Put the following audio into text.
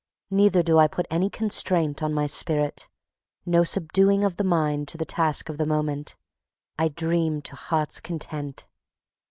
Neither do I put any constraint on my spirit. No subduing of the mind to the task of the moment. I dream to heart's content.